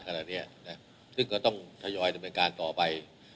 ขนาดเนี้ยน่ะซึ่งก็ต้องทยอยด้วยการต่อไป